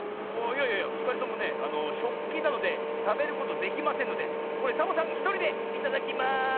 いやいやふたりともねしょっきなのでたべることできませんのでこれサボさんひとりでいただきます！